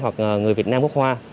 hoặc người việt nam quốc hoa